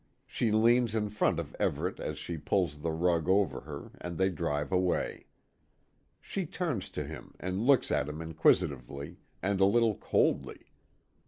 She leans in front of Everet as she pulls the rug over her, and they drive away. She turns to him and looks at him inquisitively, and a little coldly.